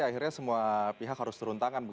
akhirnya semua pihak harus turun tangan